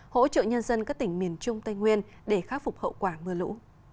hỗ trợ nhân dân các tỉnh miền trung tây nguyên để khắc phục hậu quả mưa lũ